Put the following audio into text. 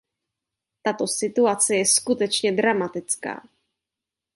Tato situace je skutečně dramatická.